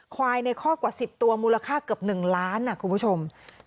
ควายในคอกกว่า๑๐ตัวมูลค่าเกือบ๑ล้านคุณผู้ชม